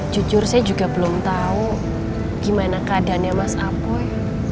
jujur saya juga belum tau gimana keadaannya mas apoi